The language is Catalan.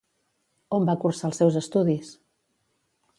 On va cursar els seus estudis?